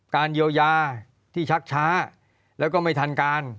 การเยียวยาที่ชักช้าแล้วก็ไม่ทันการ